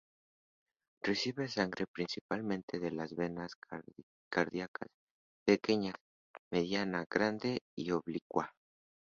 Recibe sangre principalmente de las venas cardíacas pequeña, mediana, grande y oblicua.